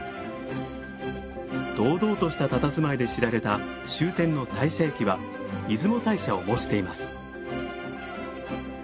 堂々としたたたずまいで知られた終点の大社駅は出雲大社を模しています。